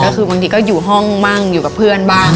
ก็คือบางทีก็อยู่ห้องบ้างอยู่กับเพื่อนบ้าง